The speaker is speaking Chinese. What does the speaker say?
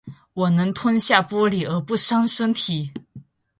我能吞下玻璃而不伤身体